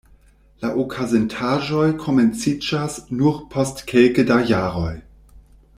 La okazintaĵoj komenciĝas nur post kelke da jaroj.